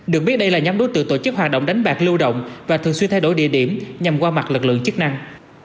được biết đây là nhóm đối tượng tổ chức hoạt động đánh bạc lưu động và thường xuyên thay đổi địa điểm nhằm qua mặt lực lượng chức năng